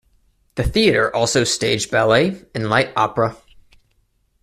The theatre also staged ballet and light opera.